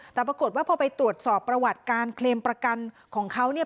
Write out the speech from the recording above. แต่ปรากฏว่าพอไปตรวจสอบประวัติการเคลมประกันของเขาเนี่ย